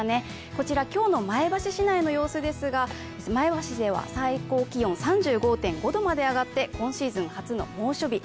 こちら今日の前橋市内の様子ですが、前橋では最高気温３５．５度まで上がって今シーズン初の猛暑日。